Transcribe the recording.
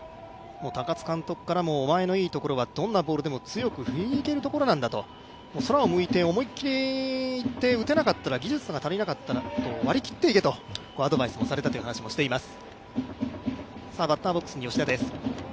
高津監督からも、お前のいいところは、どんなボールでも強く振り抜けるところなんだと、空を向いて思い切り打てなかったら技術が足りなかったら割り切っていけというアドバイスもされています。